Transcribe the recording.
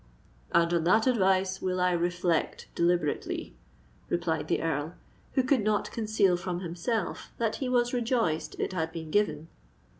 "And on that advice will I reflect deliberately," replied the Earl, who could not conceal from himself that he was rejoiced it had been given.